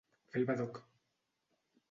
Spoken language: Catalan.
Fer el badoc.